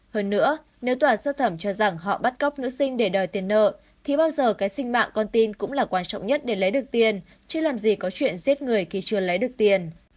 hơn nữa nếu tòa sơ thẩm cho rằng họ bắt cóc nữ sinh để đòi tiền nợ thì bao giờ cái sinh mạng con tin cũng là quan trọng nhất để lấy được tiền chưa làm gì có chuyện giết người khi chưa lấy được tiền